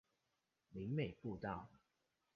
林美步道